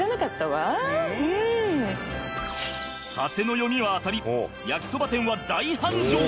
佐瀬の読みは当たり焼きそば店は大繁盛。